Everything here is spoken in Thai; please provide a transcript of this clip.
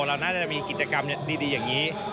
เราน่าจะมีกิจกรรมดีอย่างนี้